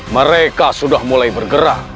mereka sudah mulai bergerak